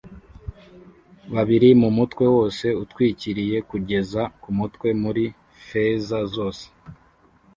babiri mumutwe wose utwikiriye kugeza kumutwe muri feza zose